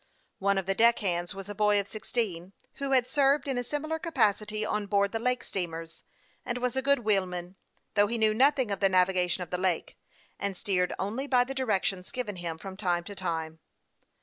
One of the deck hands was a boy of sixteen, who had served in a similar capacity on board the lake steamers, and was a good wheelman, though he knew nothing of the navigation of the lake, and steered only by the directions given him from time to time.